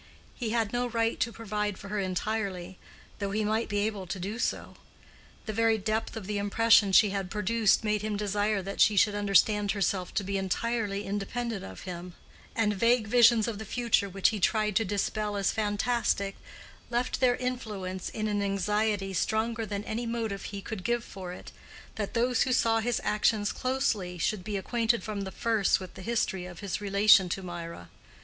He had no right to provide for her entirely, though he might be able to do so; the very depth of the impression she had produced made him desire that she should understand herself to be entirely independent of him; and vague visions of the future which he tried to dispel as fantastic left their influence in an anxiety stronger than any motive he could give for it, that those who saw his actions closely should be acquainted from the first with the history of his relation to Mirah.